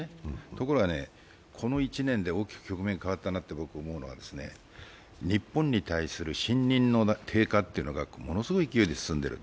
ところがね、この１年で大きく局面が変わったなと僕は思うのは日本に対する信任の低下というのがものすごい勢いで進んでいる。